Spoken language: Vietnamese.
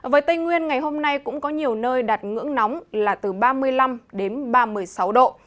với tây nguyên ngày hôm nay cũng có nhiều nơi đạt ngưỡng nóng là từ ba mươi năm đến ba mươi sáu độ